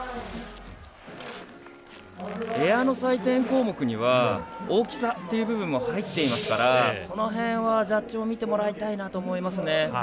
エアの採点項目には大きさっていう部分は入っていますからその辺は、ジャッジも見てもらいたいなと思いますね。